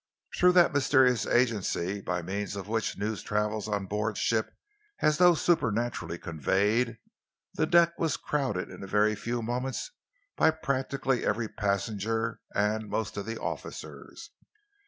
Through that mysterious agency by means of which news travels on board ship as though supernaturally conveyed, the deck was crowded in a very few moments by practically every passenger and most of the officers.